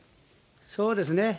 そうですね。